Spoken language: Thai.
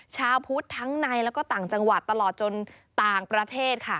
ชาวพุทธทั้งในแล้วก็ต่างจังหวัดตลอดจนต่างประเทศค่ะ